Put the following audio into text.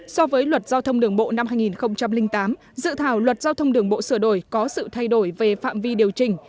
so với luật giao thông đường bộ năm hai nghìn tám dự thảo luật giao thông đường bộ sửa đổi có sự thay đổi về phạm vi điều chỉnh